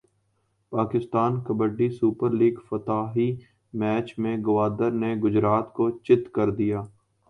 Pakistan kabaddi super لیگافتتاحی match میں گوادر نے گجرات کو چت کردیا